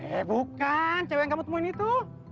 eh bukan cewek yang kamu temuin itu